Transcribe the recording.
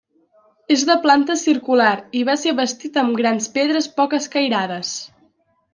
És de planta circular i va ser bastit amb grans pedres poc escairades.